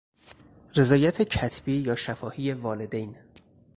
رضایت کتبی یا شفاهی والدین...